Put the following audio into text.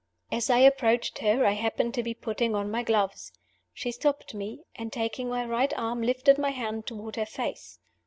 As I approached her, I happened to be putting on my gloves. She stopped me; and, taking my right arm, lifted my hand toward her face.